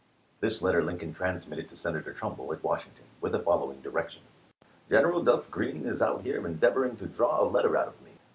ks. This letter Lincoln transmitted to Senator Trum bull at Washington, with the following direction : General Duff Green is out here endeavoring to draw a letter out of me.